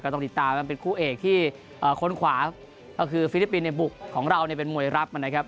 ต้องติดตามกันเป็นคู่เอกที่คนขวาก็คือฟิลิปปินส์ในบุกของเราเนี่ยเป็นมวยรับนะครับ